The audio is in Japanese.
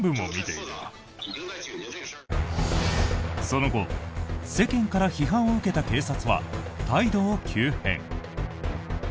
その後世間から批判を受けた警察は態度を急変。